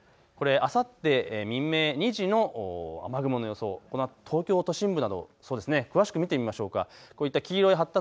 これはあさって未明、２時の雨雲の予想、東京都心部など詳しく見てみましょう。